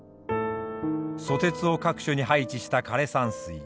蘇鉄を各所に配置した枯れ山水。